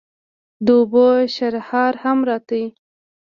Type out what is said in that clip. د اوبو شرهار هم راته.